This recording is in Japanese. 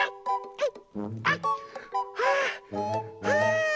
はい！